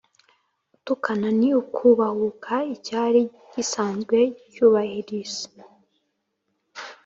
gutukana, ni ukubahuka icyari gisanzwe cyubahirse